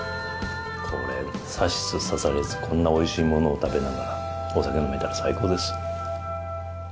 これさしつさされつこんなおいしいものを食べながらお酒飲めたら最高です。